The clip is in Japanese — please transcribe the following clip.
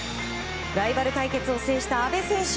ライバル対決を制した阿部選手。